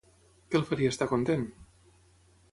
Què el faria estar content?